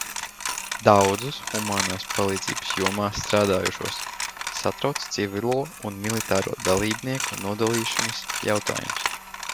Daudzus humānās palīdzības jomā strādājošos satrauc civilo un militāro dalībnieku nodalīšanas jautājums.